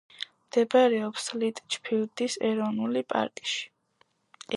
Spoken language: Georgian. მდებარეობს ლიტჩფილდის ეროვნული პარკში.